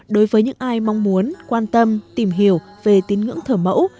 đối với những ai mong muốn quan tâm tìm hiểu về tín ngưỡng thờ mẫu